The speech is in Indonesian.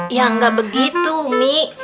ya enggak begitu umi